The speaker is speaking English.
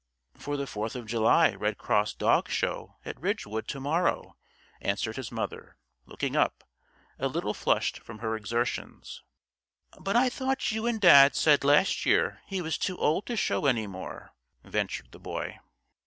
"For the Fourth of July Red Cross Dog Show at Ridgewood to morrow," answered his mother, looking up, a little flushed from her exertions. "But I thought you and Dad said last year he was too old to show any more," ventured the Boy.